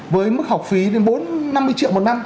với mức học phí lên bốn năm mươi triệu một năm